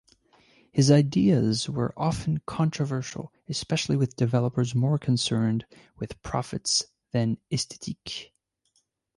His ideas were often controversial, especially with developers more concerned with profits than esthetiques.